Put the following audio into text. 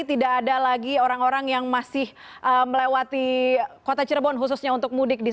jadi tidak ada lagi orang orang yang masih melewati kota cirebon khususnya untuk mudik